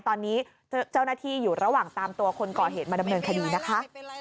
ตอนนี้เจ้าหน้าที่อยู่ระหว่างตามตัวคนก่อเหตุมาดำเนินคดีนะคะ